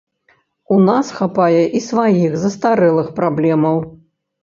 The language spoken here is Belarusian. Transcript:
У нас хапае і сваіх, застарэлых праблемаў.